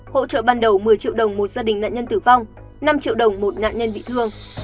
hỗ trợ ban đầu một mươi triệu đồng một gia đình nạn nhân tử vong năm triệu đồng một nạn nhân bị thương